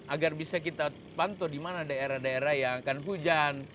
agar bisa kita pantau di mana daerah daerah yang akan hujan